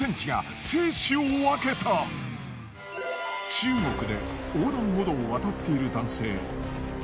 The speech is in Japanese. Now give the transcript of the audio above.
中国で横断歩道を渡っている男性。